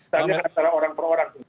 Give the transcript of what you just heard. saya hanya antara orang per orang